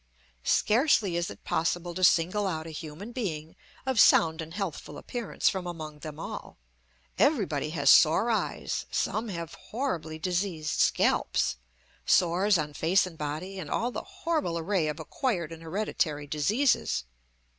Scarcely is it possible to single out a human being of sound and healthful appearance from among them all. Everybody has sore eyes, some have horribly diseased scalps, sores on face and body, and all the horrible array of acquired and hereditary diseases.